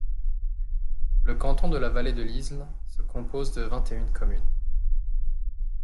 Le canton de la Vallée de l'Isle se compose de vingt-et-une communes.